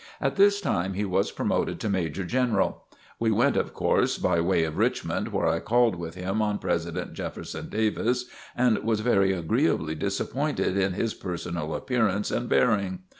At this time he was promoted to Major General. We went, of course, by way of Richmond where I called with him on President Jefferson Davis and was very agreeably disappointed in his personal appearance and bearing.